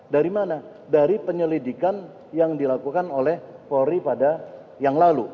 dari mana dari penyelidikan yang dilakukan oleh polri pada yang lalu